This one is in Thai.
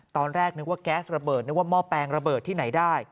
ตอนแรกนึกว่าแก๊สระเบิดนึกว่าหม้อแปลงระเบิดที่ไหนได้